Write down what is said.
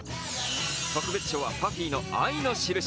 特別賞はＰＵＦＦＹの「愛のしるし」。